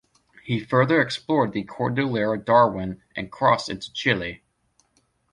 He further explored the Cordillera Darwin and crossed into Chile.